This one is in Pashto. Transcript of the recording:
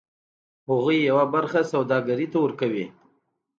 هغوی یوه برخه سوداګر ته ورکوي